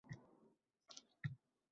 Noyabr tezislari